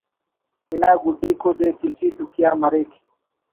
انا گڈیکو دے تیٹی ڈکھیا مریک